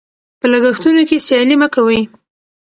په لګښتونو کې سیالي مه کوئ.